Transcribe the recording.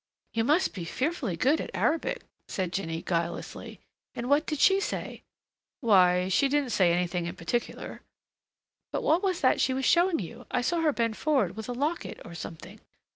"You must be fearfully good at Arabic," said Jinny guilelessly. "And what did she say?" "Why she didn't say anything in particular " "But what was that she was showing you? I saw her bend forward with a locket or something